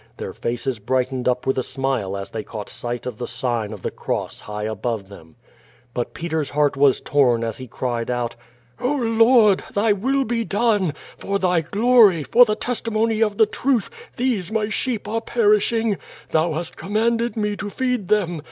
Their faces brightened up with a smile as they caught sight of the sign of the cross high above them. But Peter's heart was torn as he cried out: "0 Lord, Thy will be done! For Thy glory, for the testi mony of the truth, these my sheep are perishing. Thou hast commanded me to feed them.